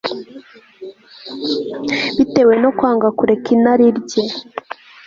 bitewe no kwanga kureka inarijye